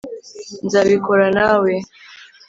nzabikora nawe